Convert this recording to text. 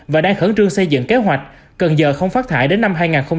và đang khẩn trương xây dựng kế hoạch cần giờ không phát thải đến năm hai nghìn ba mươi